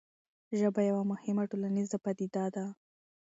ژبه یوه مهمه ټولنیزه پدیده ده.